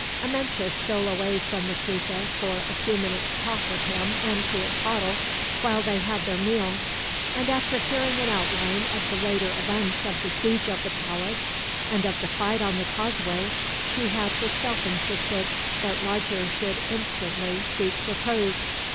Amenche stole away from Maclutha, for a few minutes' talk with him and Cuitcatl, while they had their meal; and after hearing an outline of the later events of the siege of the palace, and of the fight on the causeway, she had herself insisted that Roger should instantly seek repose.